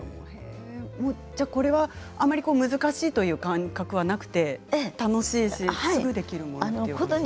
これは、あんまり難しいという感覚はなくて楽しいしすぐできるものということですか。